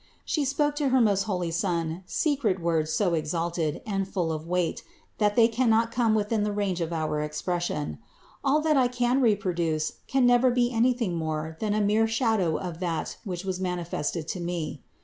She spoke to her most holy Son secret words so exalted and full of weight that they cannot come within the range of our expression. All that I can reproduce can never be anything more than a mere shadow of that which was manifested to me.